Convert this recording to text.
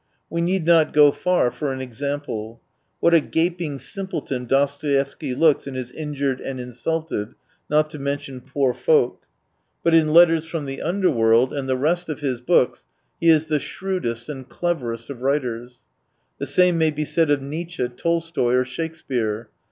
We need not go far for an example. What a gaping simpleton Dostoevsky looks in his Injured and Insulted, not to mention Poor Folk. But in Letters from the Underworld 119 and the rest of his books he is the shrewd est and cleverest of writers. The same may be said of Nietzsche^ Tolstoy, or Shakespeare.